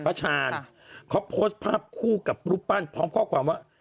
ชาญเขาโพสต์ภาพคู่กับรูปปั้นพร้อมข้อความว่า